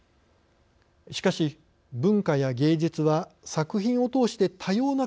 しかし文化や芸術は作品を通して多様な価値観